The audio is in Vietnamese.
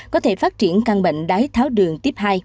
có thể phát triển căn bệnh đái tháo đường